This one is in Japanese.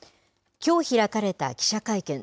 きょう開かれた記者会見。